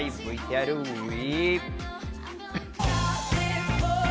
ＶＴＲＷＥ！